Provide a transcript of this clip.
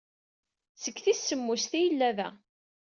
Seg tis semmuset ay yella da.